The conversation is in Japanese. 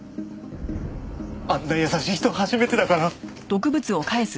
あんな優しい人初めてだから。